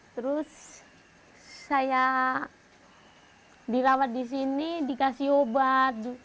terus saya dirawat di sini dikasih obat